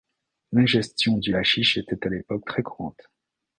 L’ingestion du haschich était à l’époque très courante.